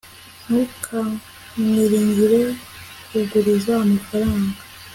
ntukamwiringire kuguriza amafaranga